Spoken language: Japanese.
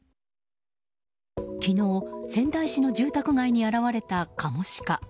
昨日、仙台市の住宅街に現れたカモシカ。